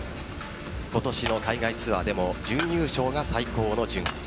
今年の海外ツアーでも準優勝が最高の順位。